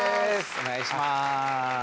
お願いします。